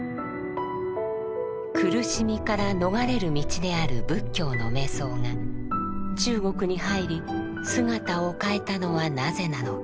「苦しみから逃れる道」である仏教の瞑想が中国に入り姿を変えたのはなぜなのか。